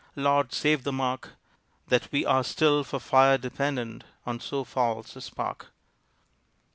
Lord save the mark, That we are still for fire dependent On so false a spark.